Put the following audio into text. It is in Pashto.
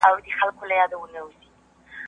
څنګه د خامو موادو واردات د تولید سرعت بدلوي؟